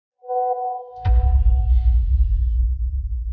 aku tidak pernah melihat wajahmu